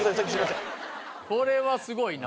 これはすごいな。